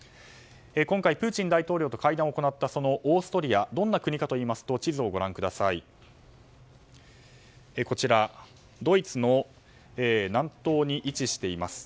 今回、プーチン大統領と会談を行ったオーストリアどんな国かというとドイツの南東に位置しています。